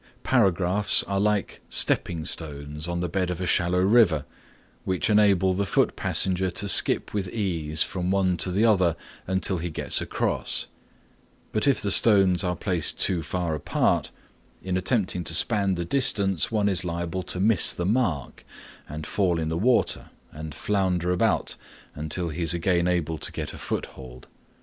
Paragraphs are like stepping stones on the bed of a shallow river, which enable the foot passenger to skip with ease from one to the other until he gets across; but if the stones are placed too far apart in attempting to span the distance one is liable to miss the mark and fall in the water and flounder about until he is again able to get a foothold.